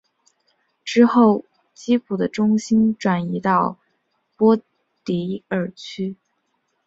之后基辅的中心转移到波迪尔区。